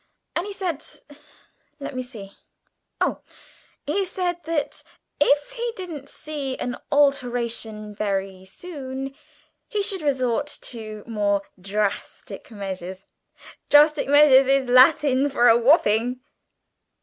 And he said, let me see, oh, he said that 'if he didn't see an alteration very soon he should resort to more drastic measures' drastic measures is Latin for a whopping."